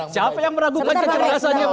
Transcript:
siapa yang meragukan yang cerdas aja